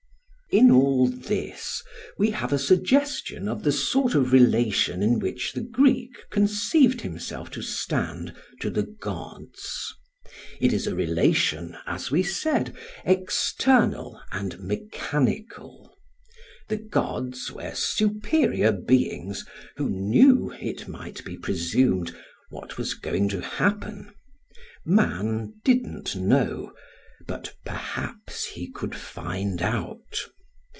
In all this we have a suggestion of the sort of relation in which the Greek conceived himself to stand to the gods. It is a relation, as we said, external and mechanical. The gods were superior beings who knew, it might be presumed, what was going to happen; man didn't know, but perhaps he could find out.